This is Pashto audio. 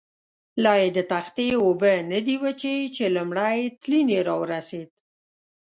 لایې د تختې اوبه نه دي وچې، چې لومړی تلین یې را ورسېد.